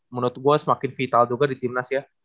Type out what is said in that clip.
menurut gue semakin vital juga di timnas ya